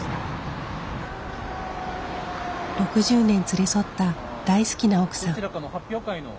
６０年連れ添った大好きな奥さん。